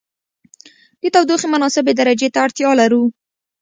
د تودوخې مناسبې درجې ته اړتیا لرو.